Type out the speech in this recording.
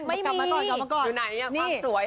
กลับมาก่อน